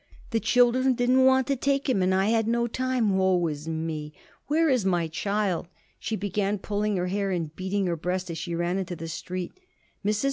The children didn't want to take him, and I had no time. Woe is me! Where is my child?" She began pulling her hair and beating her breast as she ran into the street. Mrs.